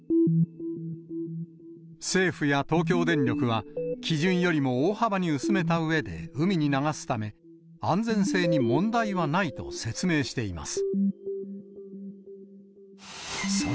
政府や東京電力は、基準よりも大幅に薄めたうえで海に流すため、安全性に問題はないと説明しています。